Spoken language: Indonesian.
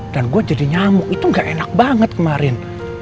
dan gue jadi nyamuk itu gak enak banget kemarin